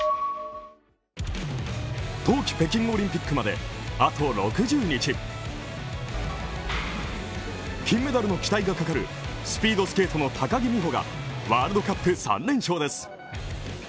冬季北京オリンピックまであと６０日金メダルの期待がかかるスピードスケートの高木美帆が、ワールドカップで３連勝です。